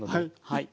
はい。